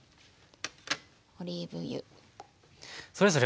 オリーブ油。